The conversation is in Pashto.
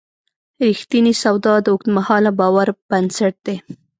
رښتینې سودا د اوږدمهاله باور بنسټ دی.